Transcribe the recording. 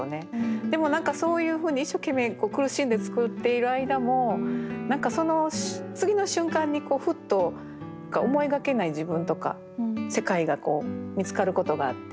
でも何かそういうふうに一生懸命苦しんで作っている間も何か次の瞬間にふっと思いがけない自分とか世界が見つかることがあって。